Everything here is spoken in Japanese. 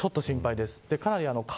ちょっと心配です。